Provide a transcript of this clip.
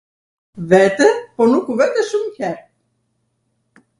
Vetw, po nukw vete shumw her.